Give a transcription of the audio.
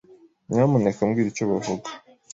Nyamuneka mbwira icyo bavuga.